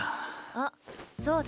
あっそうだ。